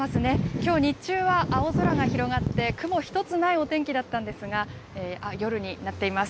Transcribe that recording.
きょう日中は青空が広がって、雲一つないお天気だったんですが、夜になっています。